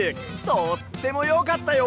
とってもよかったよ！